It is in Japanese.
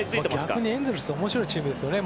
逆にエンゼルス面白いチームですね。